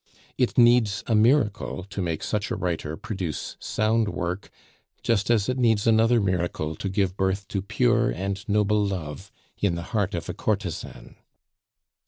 It needs a miracle to make such a writer produce sound work, just as it needs another miracle to give birth to pure and noble love in the heart of a courtesan.